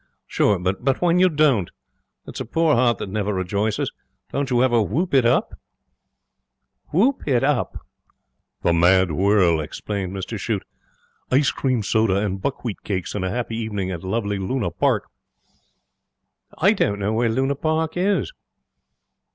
'Sure. But when you don't? It's a poor heart that never rejoices. Don't you ever whoop it up?' 'Whoop it up?' 'The mad whirl,' explained Mr Shute. 'Ice cream soda and buck wheat cakes, and a happy evening at lovely Luna Park.' 'I don't know where Luna Park is.'